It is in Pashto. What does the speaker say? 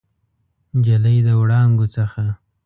نجلۍ د وړانګو څخه